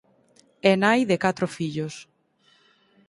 É nai de catro fillos.